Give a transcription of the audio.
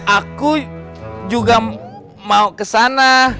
aku juga mau ke sana